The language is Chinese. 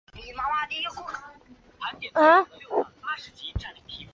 历朝水患尤以黄河为烈。